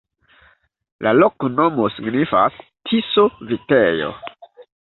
La loknomo signifas: Tiso-vitejo.